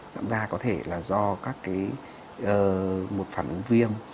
sạm da có thể là do một phản ứng viêm